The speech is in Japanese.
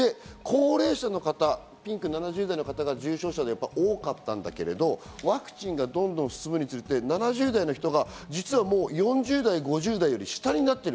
それで高齢者の方、７０代の方が多かったんだけど、ワクチンがどんどん進むにつれて７０代の人が実は４０代、５０代より下になっている。